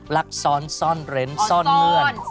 ลักซ้อนซ่อนเร้นซ่อนเงื่อน